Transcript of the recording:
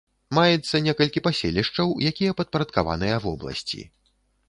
Маецца некалькі паселішчаў, якія падпарадкаваныя вобласці.